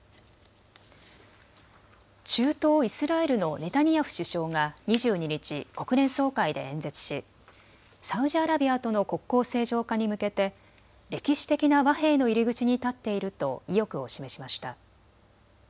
中東イスラエルのネタニヤフ首相が２２日、国連総会で演説しサウジアラビアとの国交正常化に向けて歴史的な和平の入り口に立っていると意欲を示しました。